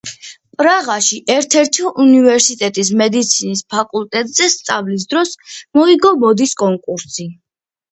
პრაღაში ერთ-ერთი უნივერსიტეტის მედიცინის ფაკულტეტზე სწავლის დროს მოიგო მოდის კონკურსი.